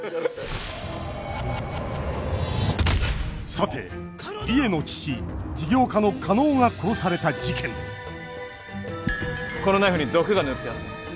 さて梨江の父事業家の加納が殺された事件このナイフに毒が塗ってあったんです。